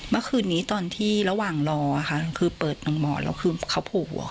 เมื่อคืนนี้ตอนทีระหว่างรอค่ะ